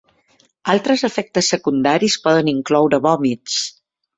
Altres efectes secundaris poden incloure vòmits.